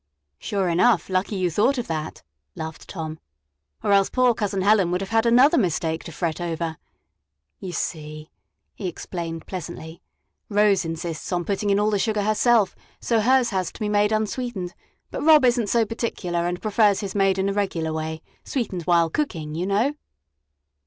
"Sure enough lucky you thought of that," laughed Tom, "or else poor Cousin Helen would have had another mistake to fret over. You see," he explained pleasantly, "Rose insists on putting in all the sugar herself, so hers has to be made unsweetened; but Rob is n't so particular and prefers his made in the regular way sweetened while cooking, you know."